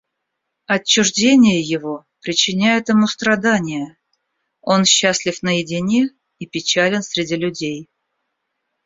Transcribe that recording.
Отчуждение его причиняет ему страдания, он счастлив наедине и печален среди людей.